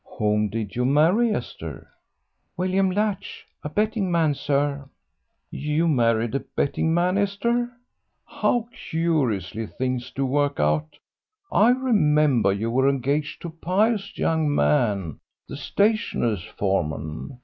"Whom did you marry, Esther?" "William Latch, a betting man, sir." "You married a betting man, Esther? How curiously things do work out! I remember you were engaged to a pious young man, the stationer's foreman.